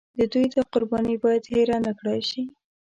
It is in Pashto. د دوی دا قرباني باید هېره نکړای شي.